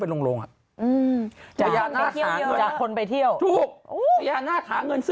ปรากฏว่า